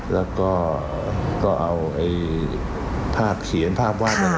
แล้วก็เอาภาพเขียนภาพวาดอะไร